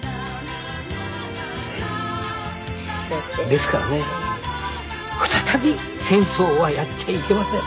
ですからね再び戦争はやっちゃいけません。